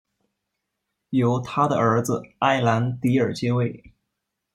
由他的儿子埃兰迪尔接位。